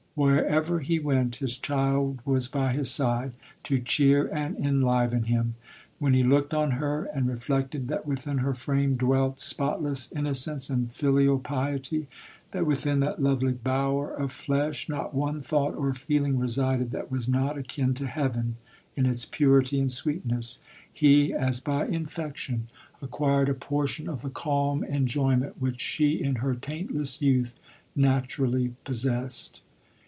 Wherever he went, his child was by his side, to cheer and en liven him. When he looked on her, and re flected that within her frame dwelt spotless in nocence and filial piety, that within that lovely " bower of flesh," 'not one thought or feel ing resided that was not akin to heaven in its purity and sweetness, he, as by infection, ac lodori:. 36 quired a portion of the calm enjoyment, which she in her taintless youth naturally possessed.